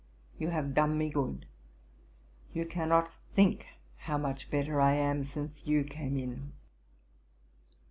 You have done me good. You cannot think how much better I am since you came in.'